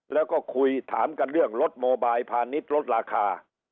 แล้วก็คุยถามกันเรื่องรถโมบายพาณิชย์ลดราคา